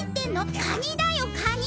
カニだよカニ！